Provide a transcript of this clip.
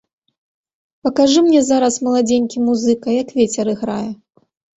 Пакажы мне зараз, маладзенькі музыка, як вецер іграе!